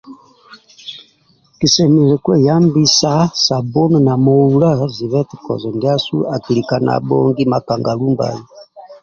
Kisemelelu kweyambisa sabuni na moula zibha eti kozo ndiasu akilika na bongi makanga lumbai